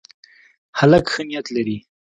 هلک ښه نیت لري.